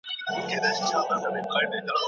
او د خپل ولس د زړونو تیارې خونې پرې رڼا کړي